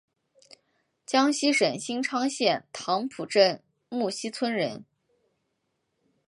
江西省新昌县棠浦镇沐溪村人。